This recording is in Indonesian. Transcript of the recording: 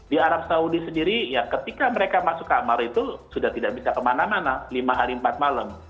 di arab saudi sendiri ketika mereka masuk kamar itu sudah tidak bisa kemana mana lima hari empat malam